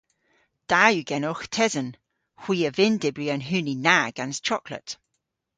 Da yw genowgh tesen. Hwi a vynn dybri an huni na gans choklet.